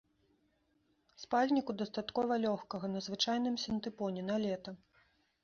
Спальніку дастаткова лёгкага, на звычайным сінтыпоне, на лета.